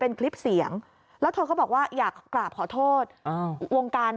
เป็นคลิปเสียงแล้วเธอก็บอกว่าอยากกราบขอโทษวงการ